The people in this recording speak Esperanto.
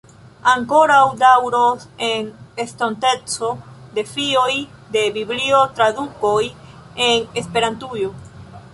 Ankoraŭ daŭros en estonteco defioj de Biblio-tradukoj en Esperantujo.